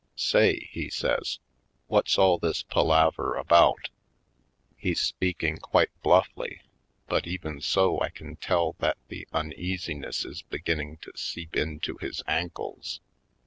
"Say," he says, "what's all this palaver about?" He's speaking quite blufify, but even so I can tell that the uneasiness is be ginning to seep into his ankles.